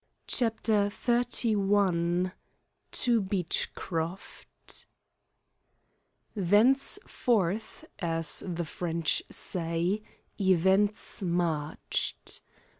CHAPTER XXXI TO BEECHCROFT Thenceforth, as the French say, events marched.